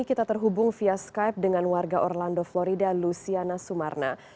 kita terhubung via skype dengan warga orlando florida luciana sumarna